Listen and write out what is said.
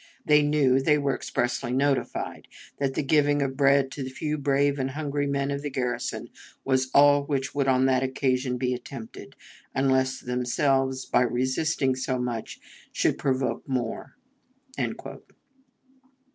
They knew they were expressly notified that the giving of bread to the few brave and hungry men of the garrison was all which would on that occasion be attempted, unless themselves, by resisting so much, should provoke more."